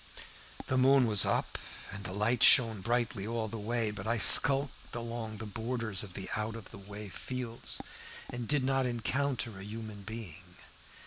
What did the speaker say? "The moon was up, and the light shone brightly all the way, but I skulked along the borders of out of the way fields, and did not encounter a human being.